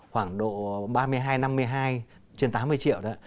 khoảng độ ba mươi hai năm mươi hai trên tám mươi triệu đó